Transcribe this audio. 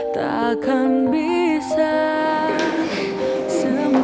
dengan semua ini